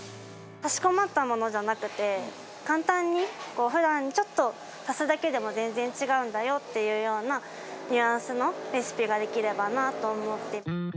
かしこまったものじゃなくて、簡単にふだんちょっと足すだけでも全然違うんだよみたいなニュアンスのレシピができればなと思って。